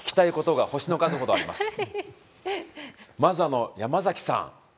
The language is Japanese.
まず山崎さん